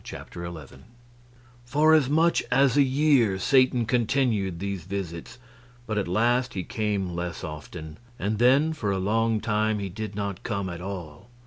Chapter 11 For as much as a year Satan continued these visits, but at last he came less often, and then for a long time he did not come at all.